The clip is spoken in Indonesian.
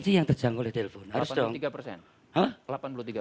sih yang terjangkau oleh telepon harus dong delapan puluh tiga